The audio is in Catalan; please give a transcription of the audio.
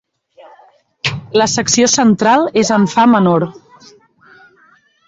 La secció central és en fa menor.